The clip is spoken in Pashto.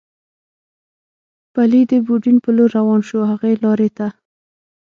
پلي د یوډین په لور روان شو، هغې لارې ته.